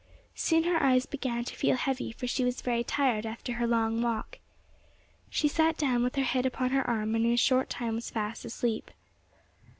Soon her eyes began to feel heavy, for she was very tired after her long walk. She sat down, with her head upon her arm, and in a short time was fast asleep.